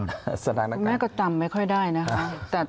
คุณแม่ก็จำไม่ค่อยได้นะครับ